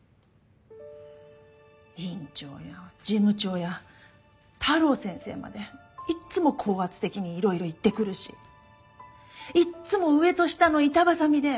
院長や事務長や太郎先生までいっつも高圧的にいろいろ言ってくるしいっつも上と下の板挟みで。